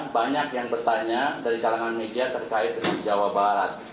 banyak yang bertanya dari kalangan media terkait dengan jawa barat